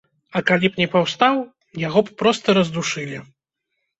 А калі б не паўстаў, яго б проста раздушылі.